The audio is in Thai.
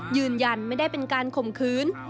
ยืนยันไม่ได้เป็นการข่มขืน